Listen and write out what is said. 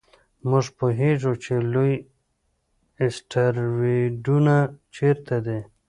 موږ پوهېږو چې لوی اسټروېډونه چیرته دي.